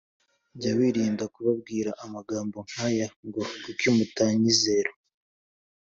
Jya wirinda kubabwira amagambo nk aya ngo kuki mutanyizera